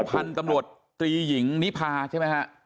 พันธุ์ตำรวจตรีหญิงนิพาใช่ไหมฮะ